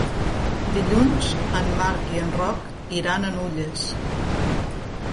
Dilluns en Marc i en Roc iran a Nulles.